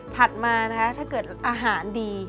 มานะคะถ้าเกิดอาหารดี